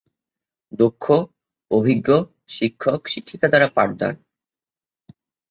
দক্ষ, অভিজ্ঞ, শিক্ষক, শিক্ষিকা দ্বারা পাঠদান।